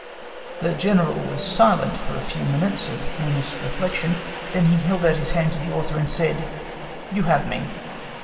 The General was silent for a few minutes of earnest reflection; then he held out his hand to the Author, and said, "You have me.